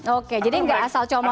oke jadi gak asal comot